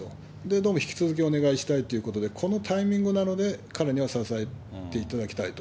どうも引き続きお願いしたいということで、このタイミングなので彼には支えていただきたいと。